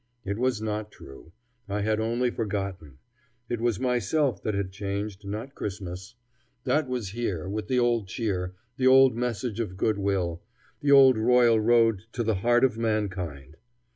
It was not true. I had only forgotten. It was myself that had changed, not Christmas. That was here, with the old cheer, the old message of good will, the old royal road to the heart of mankind.